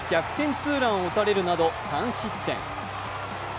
ツーランを打たれるなど３失点。